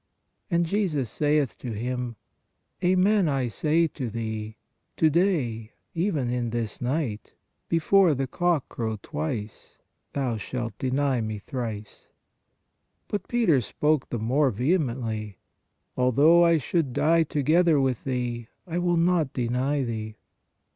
And Jesus saith to him: Amen I say to thee, to day, even in this night, before the cock crow twice, thou shalt deny Me thrice. But Peter spoke PRAYER OF PETITION 21 the more vehemently: Although I should die to gether with Thee, I will not deny Thee."